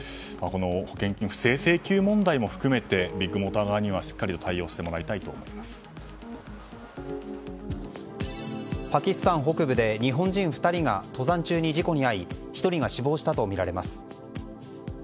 保険金不正請求問題を含めてビッグモーター側にはしっかりと対応してもらいたいとパキスタン北部で日本人２人が登山中に事故に遭い１人が死亡したとみられます。